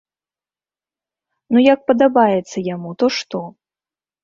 Ну як падабаецца яму, то што?